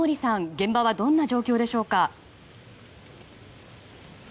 現場はどんな状況でしょうか。